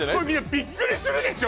びっくりするでしょ